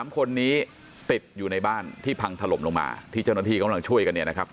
๓คนนี้ติดอยู่ในบ้านที่พังถล่มลงมาที่เจ้าหน้าที่กำลังช่วยกันเนี่ยนะครับ